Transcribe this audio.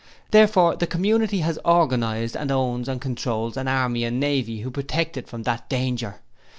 Therefore the community has organized and owns and controls an Army and Navy to protect it from that danger.